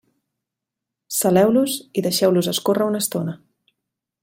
Saleu-los i deixeu-los escórrer una estona.